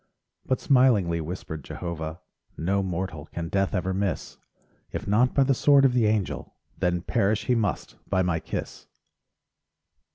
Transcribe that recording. But smilingly whispered Jehovah: "No mortal can death ever miss; If not by the sword of the Angel Then perish he must by my kiss."